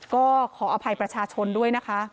ก็ขออภัยประชาชนด้วยนะคะ